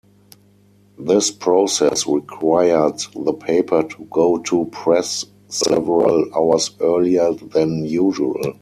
This process required the paper to go to press several hours earlier than usual.